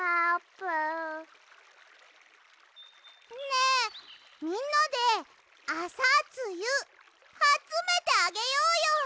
ねえみんなであさつゆあつめてあげようよ！